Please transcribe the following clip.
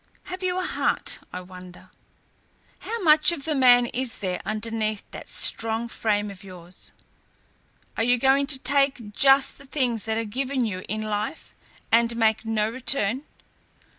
Have you a heart, I wonder? How much of the man is there underneath that strong frame of yours? Are you going to take just the things that are given you in life, and make no return?